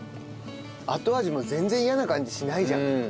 後味も全然嫌な感じしないじゃん。